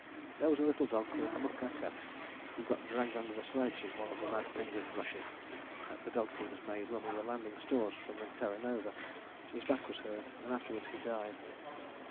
There was a little dog called Mukaka, who got dragged under the sledge in one of the mad penguin rushes the dog teams made when we were landing stores from the Terra Nova: his back was hurt and afterwards he died.